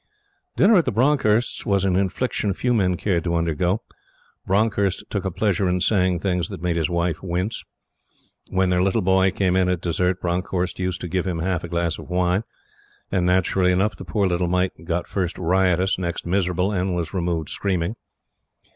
Dinner at the Bronckhorst's was an infliction few men cared to undergo. Bronckhorst took a pleasure in saying things that made his wife wince. When their little boy came in at dessert, Bronckhorst used to give him half a glass of wine, and naturally enough, the poor little mite got first riotous, next miserable, and was removed screaming.